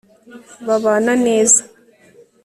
babana neza